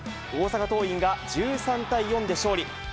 大阪桐蔭が１３対４で勝利。